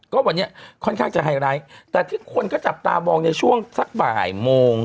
ก็วันนี้ค่อนข้างจะไฮไลท์แต่ที่คนก็จับตามองในช่วงสักบ่ายโมง